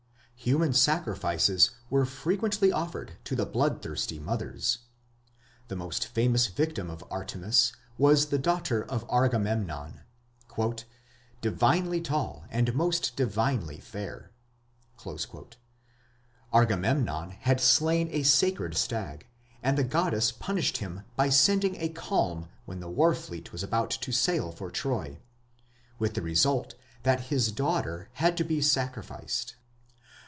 Human sacrifices were frequently offered to the bloodthirsty "mothers". The most famous victim of Artemis was the daughter of Agamemnon, "divinely tall and most divinely fair". Agamemnon had slain a sacred stag, and the goddess punished him by sending a calm when the war fleet was about to sail for Troy, with the result that his daughter had to be sacrificed.